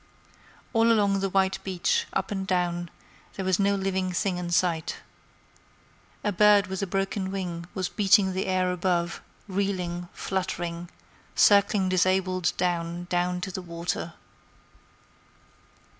All along the white beach, up and down, there was no living thing in sight. A bird with a broken wing was beating the air above, reeling, fluttering, circling disabled down, down to the water.